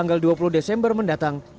di tahun tanggal dua puluh desember mendatang